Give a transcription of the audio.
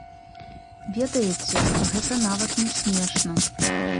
Ведаеце, гэта нават не смешна.